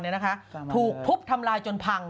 ได้ทำลายจนพัง